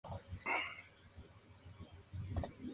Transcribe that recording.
Publicó un libro para niños y tres novelas.